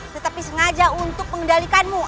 tetapi sengaja untuk mengendalikanmu